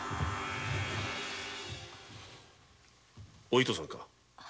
お糸さんか？